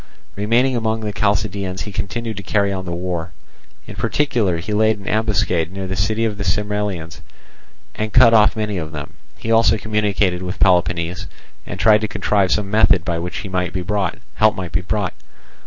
Remaining among the Chalcidians, he continued to carry on the war; in particular he laid an ambuscade near the city of the Sermylians, and cut off many of them; he also communicated with Peloponnese, and tried to contrive some method by which help might be brought.